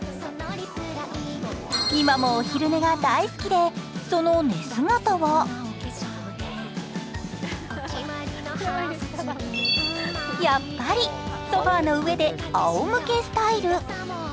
今もお昼寝が大好きで、その寝姿はやっぱりソファーの上であおむけスタイル。